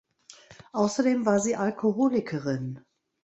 Außerdem war sie Alkoholikerin.